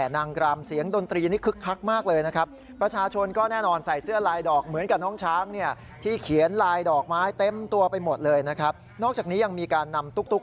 นอกจากนี้ยังมีการนำตุ๊ก